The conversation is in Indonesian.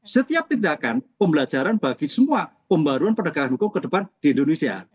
setiap tindakan pembelajaran bagi semua pembaruan penegakan hukum ke depan di indonesia